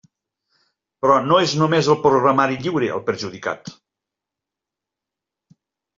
Però no és només el programari lliure el perjudicat.